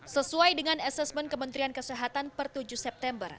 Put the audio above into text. sesuai dengan asesmen kementerian kesehatan per tujuh september